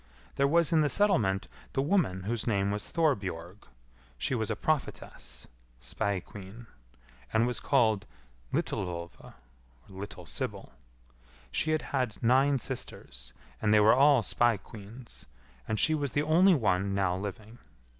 There was in the settlement the woman whose name was Thorbjorg. She was a prophetess (spae queen), and was called Litilvolva (little sybil). She had had nine sisters, and they were all spae queens, and she was the only one now living.